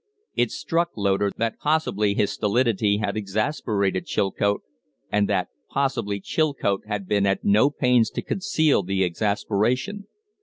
It struck Loder that possibly his stolidity had exasperated Chilcote, and that possibly Chilcote had been at no pains to conceal the exasperation.